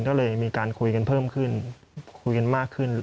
ก็เลยมีการคุยกันเพิ่มขึ้นคุยกันมากขึ้น